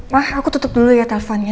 wah aku tutup dulu ya teleponnya